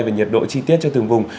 và nhiệt độ chi tiết cho từng vùng